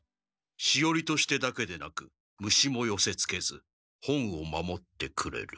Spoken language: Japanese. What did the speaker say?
しおりとしてだけでなく虫もよせつけず本を守ってくれる。